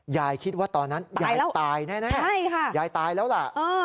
ยายคิดว่าตอนนั้นยายตายแน่ยายตายแล้วล่ะ